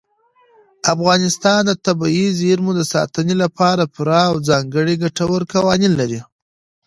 افغانستان د طبیعي زیرمې د ساتنې لپاره پوره او ځانګړي ګټور قوانین لري.